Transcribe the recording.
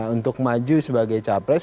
untuk maju sebagai capres